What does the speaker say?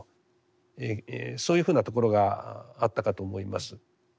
そういうふうなところがあったかと思います。